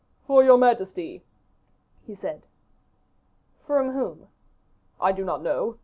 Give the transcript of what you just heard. "For your majesty," he said. "From whom?" "I do not know.